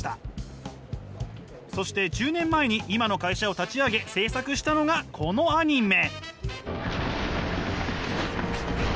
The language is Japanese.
そして１０年前に今の会社を立ち上げ制作したのがこのアニメ。